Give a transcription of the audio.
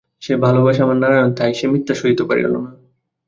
সে ভালোবাসা আমার নারায়ণ, তাই সে মিথ্যা সহিতে পারিল না।